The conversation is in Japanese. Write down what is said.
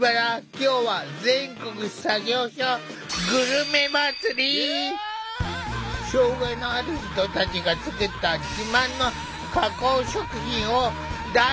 今日は障害のある人たちが作った自慢の加工食品を大特集！